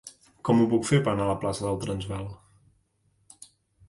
Com ho puc fer per anar a la plaça del Transvaal?